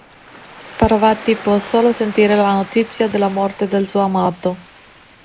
Parvati può solo sentire la notizia della morte del suo amato.